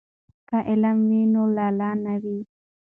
که علم وي نو لاله نه وي.